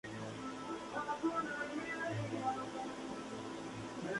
Además, su cronología es inconsistente.